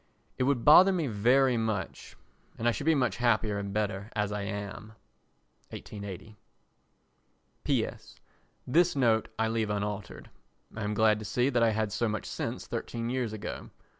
It would bother me very much and I should be much happier and better as I am. [1880.] P.S.—This note I leave unaltered. I am glad to see that I had so much sense thirteen years ago.